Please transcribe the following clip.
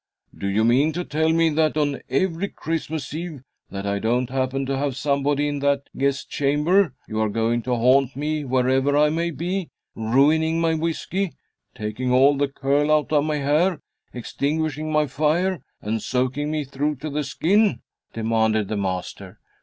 "Do you mean to tell me that on every Christmas Eve that I don't happen to have somebody in that guest chamber, you are going to haunt me wherever I may be, ruining my whiskey, taking all the curl out of my hair, extinguishing my fire, and soaking me through to the skin?" demanded the master.